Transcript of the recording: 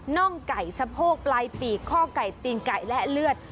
่องไก่สะโพกปลายปีกข้อไก่ตีนไก่และเลือด